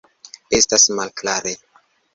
Estas malklare.